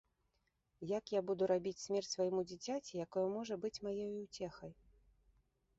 Як я буду рабіць смерць свайму дзіцяці, якое можа быць маёй уцехай.